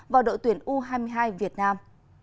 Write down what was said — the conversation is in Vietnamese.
và đội tuyển u hai mươi hai việt nam